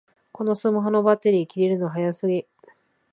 このスマホのバッテリー切れるの早すぎ